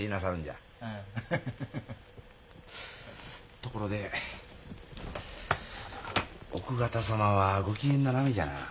ところで奥方様は御機嫌斜めじゃな。